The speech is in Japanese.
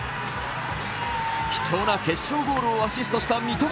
貴重な決勝ゴールをアシストした三笘。